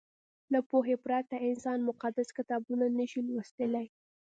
له پوهې پرته انسان مقدس کتابونه نه شي لوستلی.